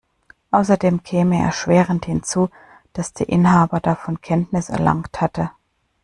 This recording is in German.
Außerdem käme erschwerend hinzu, dass der Inhaber davon Kenntnis erlangt hatte.